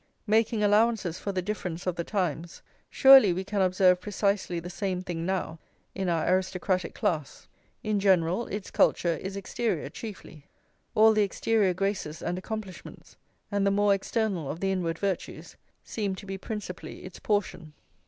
Making allowances for the difference of the times, surely we can observe precisely the same thing now in our aristocratic class. In general its culture is exterior chiefly; all the exterior graces and accomplishments, and the more external of the inward virtues, seem to be principally its portion.